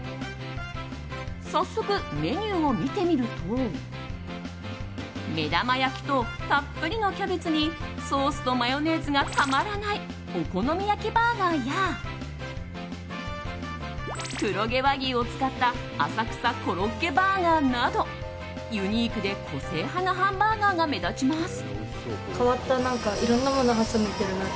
早速、メニューを見てみると目玉焼きとたっぷりのキャベツにソースとマヨネーズがたまらないお好み焼きバーガーや黒毛和牛を使った浅草コロッケバーガーなどユニークで個性派なハンバーガーが目立ちます。